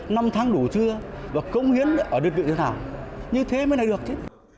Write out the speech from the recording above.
năm tháng đủ chưa và công hiến ở đơn vị như thế nào như thế mới này được chứ